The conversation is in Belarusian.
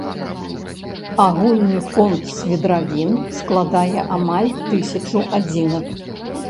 Агульны фонд свідравін складае амаль тысячу адзінак.